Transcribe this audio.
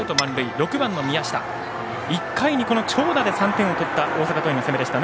６番の宮下、１回に長打で３点を取った大阪桐蔭の攻めでしたね。